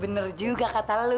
bener juga kata lu